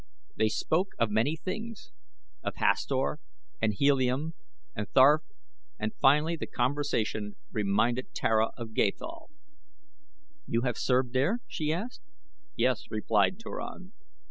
They spoke of many things of Hastor, and Helium, and Ptarth, and finally the conversation reminded Tara of Gathol. "You have served there?" she asked. "Yes," replied Turan.